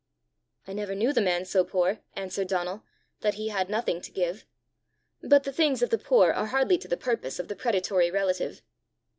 "I never knew the man so poor," answered Donal, "that he had nothing to give. But the things of the poor are hardly to the purpose of the predatory relative."